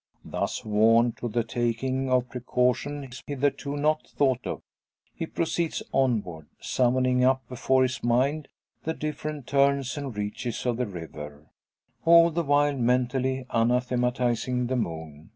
Thus warned to the taking of precautions hitherto not thought of, he proceeds onward; summoning up before his mind the different turns and reaches of the river, all the while mentally anathematising the moon.